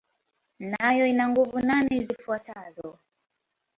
Nayo ina nguzo nane zifuatazo.